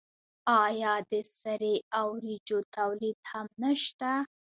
آیا د سرې او وریجو تولید هم نشته؟